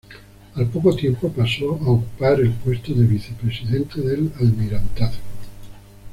Al poco tiempo, pasó a a ocupar el puesto de vicepresidente del Almirantazgo.